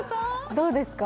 どうですか？